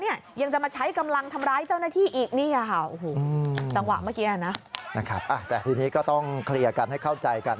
นะครับแต่ทีนี้ก็ต้องเคลียร์กันให้เข้าใจกัน